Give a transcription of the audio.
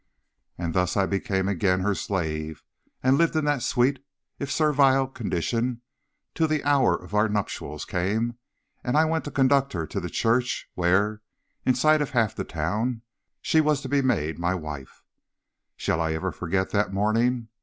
"And thus I became again her slave, and lived in that sweet, if servile, condition till the hour of our nuptials came, and I went to conduct her to the church where, in sight of half the town, she was to be made my wife. Shall I ever forget that morning?